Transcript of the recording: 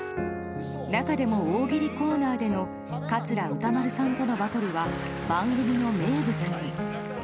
中でも大喜利コーナーでの桂歌丸さんとのバトルは番組の名物に。